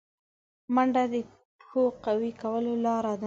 منډه د پښو قوي کولو لاره ده